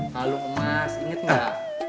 kalau emas inget gak